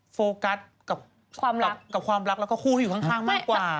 โฟกัสกับความรักแล้วก็คู่ที่อยู่ข้างมากกว่า